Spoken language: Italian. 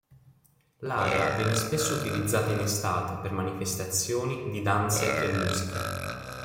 L'area viene spesso utilizzata in estate per manifestazioni di danze e musiche.